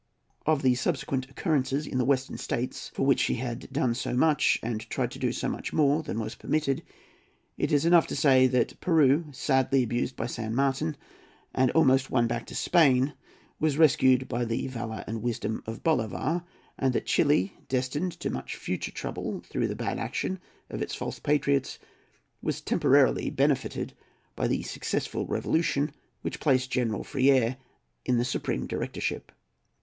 Of the subsequent occurrences in the Western States, for which he had done so much, and tried to do so much more than was permitted, it is enough to say that Peru, sadly abused by San Martin, and almost won back to Spain, was rescued by the valour and wisdom of Bolivar, and that Chili, destined to much future trouble through the bad action of its false patriots, was temporarily benefited by the successful revolution which placed General Freire in the Supreme Directorship.